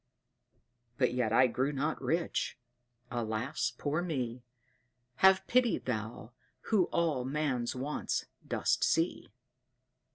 But yet I grew not rich. Alas, poor me! Have pity, Thou, who all man's wants dost see.